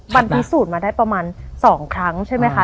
มันพิสูจน์มาได้ประมาณ๒ครั้งใช่ไหมคะ